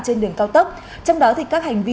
trên đường cao tốc trong đó thì các hành vi